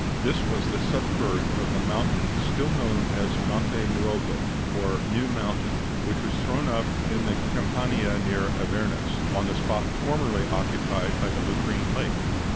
This was the sudden birth of the mountain still known as Monte Nuovo, or New Mountain, which was thrown up in the Campania near Avernus, on the spot formerly occupied by the Lucrine Lake.